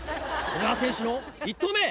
小川選手の１投目！